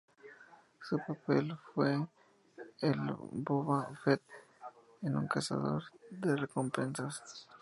Su papel fue el de Boba Fett, un cazador de recompensas.